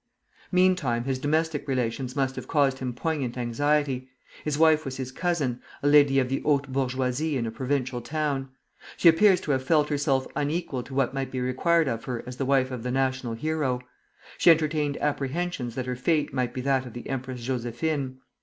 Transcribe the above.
Meantime his domestic relations must have caused him poignant anxiety. His wife was his cousin, a lady of the haute bourgeoisie in a provincial town. She appears to have felt herself unequal to what might be required of her as the wife of the national hero. She entertained apprehensions that her fate might be that of the Empress Josephine.